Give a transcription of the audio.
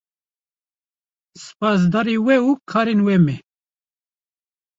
Spasdarê we û karên we me.